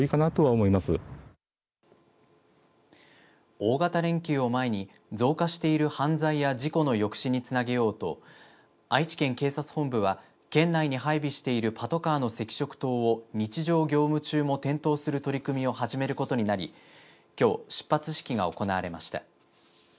大型連休を前に増加している犯罪や事故の抑止につなげようと愛知県警察本部は県内に配備しているパトカーの赤色灯を日常業務中も点灯する取り組みを始めることになりきょう出発式が行われました。